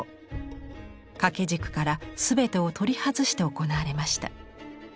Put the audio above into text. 掛け軸から全てを取り外して行われました。